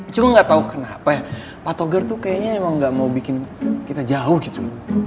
cuma gak tau kenapa ya patogar tuh kayaknya emang gak mau bikin kita jauh gitu